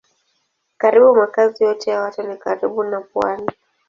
Karibu makazi yote ya watu ni karibu na pwani.